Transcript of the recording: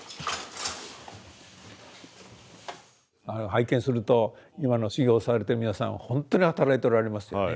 拝見すると今の修行されてる皆さんはほんとに働いておられますよね。